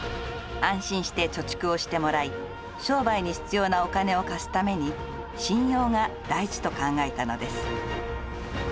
安心して貯蓄をしてもらい商売に必要なお金を貸すために信用が大事と考えたのです。